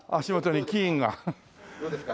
どうですか？